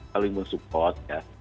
saling mensupport ya